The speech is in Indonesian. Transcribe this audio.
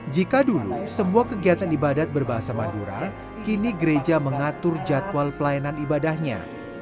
jika dulu semua kegiatan ibadat berbahasa madura kini gereja mengatur jadwal pelayanan ibadahnya